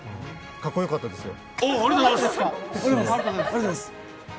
かっこよかったですよ。